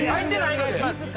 ’ｚお願いします。